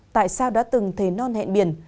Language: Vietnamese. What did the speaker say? tại sao đã từng thề non hẹn biển